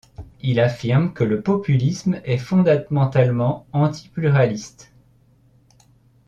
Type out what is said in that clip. Il affirme que le populisme est fondamentalement anti-pluraliste.